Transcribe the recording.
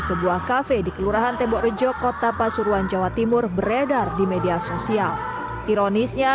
sebuah kafe di kelurahan tembok rejo kota pasuruan jawa timur beredar di media sosial ironisnya